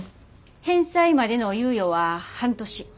返済までの猶予は半年。